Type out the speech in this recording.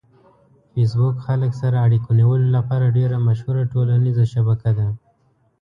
فېسبوک خلک سره اړیکه نیولو لپاره ډېره مشهوره ټولنیزه شبکه ده.